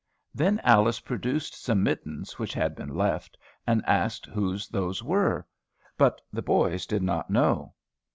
Then Alice produced some mittens, which had been left, and asked whose those were. But the boys did not know.